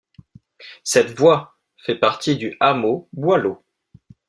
Cette voie fait partie du hameau Boileau.